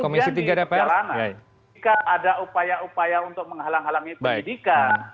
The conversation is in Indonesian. kemudian diperjalanan jika ada upaya upaya untuk menghalang halangnya pendidikan